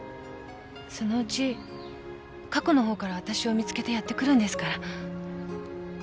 そのうち過去のほうからわたしを見つけてやって来るんですから。